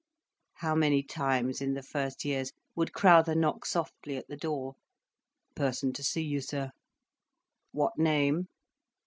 How many times, in the first years, would Crowther knock softly at the door: "Person to see you, sir." "What name?"